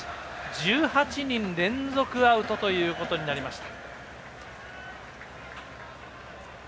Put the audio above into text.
１８人連続アウトということになりました。